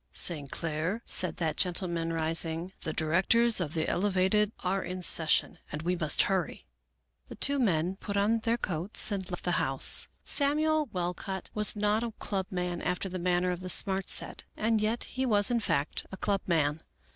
" St. Clair," said that gentleman, rising, " the directors of the Elevated are in ses sion, and we must hurry." The two men put on their coats and left the house. Samuel Walcott was not a club man after the manner of the Smart Set, and yet he was in fact a club man.